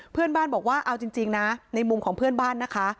เพื่อนบ้านบอกว่าเอาจริงนะในมุมของเพื่อนบ้านนะคะ